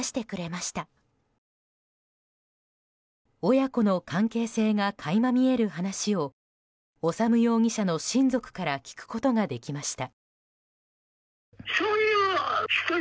親子の関係性が垣間見える話を修容疑者の親族から聞くことができました。